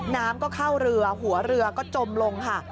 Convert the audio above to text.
น้ำก็เข้าเรือหัวเรือก็จมลงค่ะ